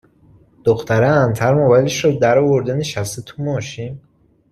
دختره انتر موبایلش رو در آورده نشسته تو ماشین